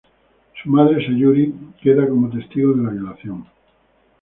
Su madre Sayuri queda como testigo de la violación.